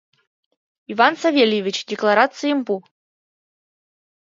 Иван Савельевич, декларациетым пу.